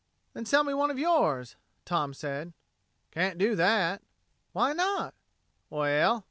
"Then sell me one of yours," Tom said. "Can't do that." "Why not?" "Well...."